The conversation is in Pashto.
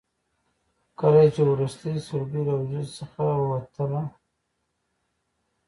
کله یې چې وروستۍ سلګۍ له وجود څخه وتله.